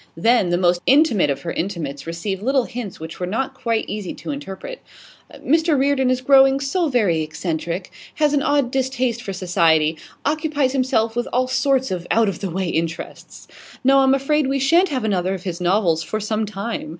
Then, the most intimate of her intimates received little hints which were not quite easy to interpret. 'Mr Reardon is growing so very eccentric has an odd distaste for society occupies himself with all sorts of out of the way interests. No, I'm afraid we shan't have another of his novels for some time.